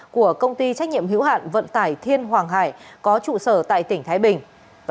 của công ty trách nhiệm hữu hạn vận tải thiên hoàng hải có trụ sở tại tỉnh thái bình